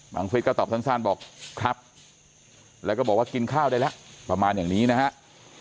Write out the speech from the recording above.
ฟิศก็ตอบสั้นบอกครับแล้วก็บอกว่ากินข้าวได้แล้วประมาณอย่างนี้นะครับ